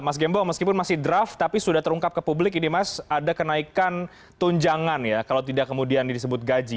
mas gembong meskipun masih draft tapi sudah terungkap ke publik ini mas ada kenaikan tunjangan ya kalau tidak kemudian disebut gaji